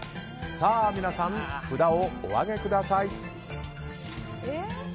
さあ皆さん、札をお挙げください。